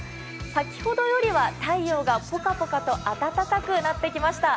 先ほどよりは太陽がポカポカと暖かくなってきました。